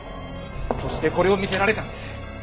そしてこれを見せられたんです。